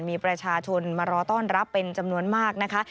มีประชาชนมารอต้อนรับเป็นจำนวนมากนะคะ